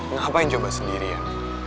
ngapain coba sendirian